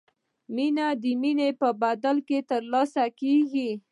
مینه د مینې په بدل کې ترلاسه کیږي.